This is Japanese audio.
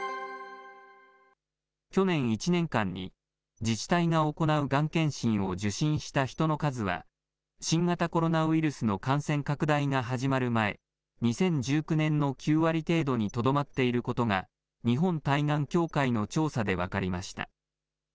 去年１年間に、自治体が行うがん検診を受診した人の数は、新型コロナウイルスの感染拡大が始まる前、２０１９年の９割程度にとどまっていることが、日本対がん協会の調査で分かりました。